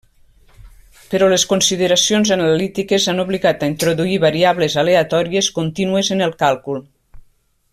Però les consideracions analítiques han obligat a introduir variables aleatòries contínues en el càlcul.